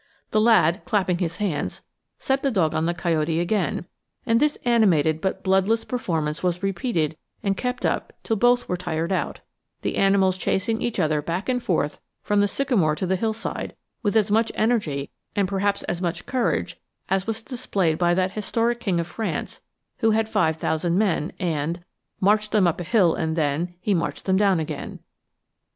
The lad, clapping his hands, set the dog on the coyote again, and this animated but bloodless performance was repeated and kept up till both were tired out, the animals chasing each other back and forth from the sycamore to the hillside with as much energy and perhaps as much courage as was displayed by that historic king of France who had five thousand men and "... marched them up a hill and then He marched them down again."